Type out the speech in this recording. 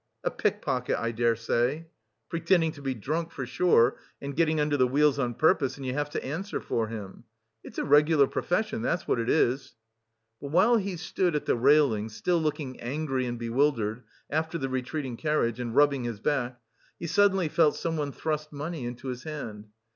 "A pickpocket I dare say." "Pretending to be drunk, for sure, and getting under the wheels on purpose; and you have to answer for him." "It's a regular profession, that's what it is." But while he stood at the railing, still looking angry and bewildered after the retreating carriage, and rubbing his back, he suddenly felt someone thrust money into his hand.